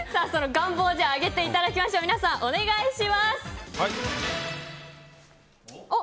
願望を上げていただきましょう皆さんお願いします。